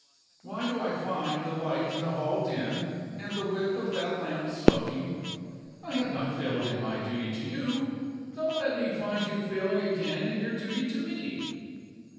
"Why do I find the light in the hall dim, and the wick of that lamp smoking? I have not failed in my duty to You. Don't let me find you failing again in your duty to Me."